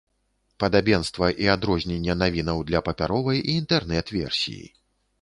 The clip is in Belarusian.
Падабенства і адрозненне навінаў для папяровай і інтэрнэт-версіі.